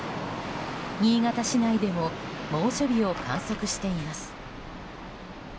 新潟市内でも猛暑日を観測しています。